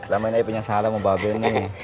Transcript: lamain ayah punya salam sama mbak ben nih